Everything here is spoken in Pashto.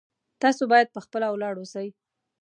تاسو باید په خپله ولاړ اوسئ